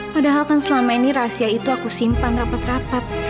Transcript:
padahal kan selama ini rahasia itu aku simpan rapat rapat